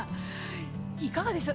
いかがでした？